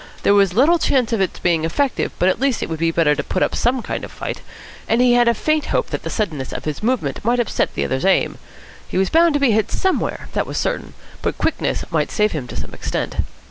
There was little chance of its being effective, but at least it would be better to put up some kind of a fight. And he had a faint hope that the suddenness of his movement might upset the other's aim. He was bound to be hit somewhere. That was certain. But quickness might save him to some extent.